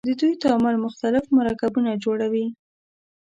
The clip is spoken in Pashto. د دوی تعامل مختلف مرکبونه جوړوي.